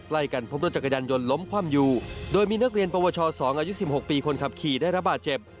ใกล้กันพบรถจักรยานยนต์ล้มคว่ำอยู่โดยมีนักเรียนปวช๒อายุ๑๖ปีคนขับขี่ได้ระบาดเจ็บ